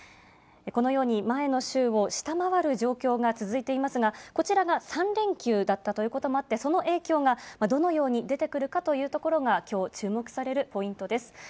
このように前の週を下回る状況が続いていますが、こちらが３連休だったということもあって、その影響がどのように出てくるかというところが、きょう注目されるポイントです。